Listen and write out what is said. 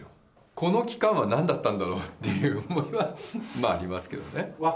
この期間はなんだったんだろうっていう思いは、ありますけどね。